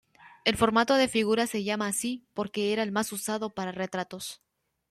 El formato de figura se llama así porque era el más usado para retratos.